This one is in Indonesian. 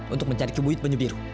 untuk mencari kubuit banyu biru